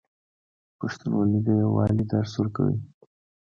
پښتونولي د یووالي درس ورکوي.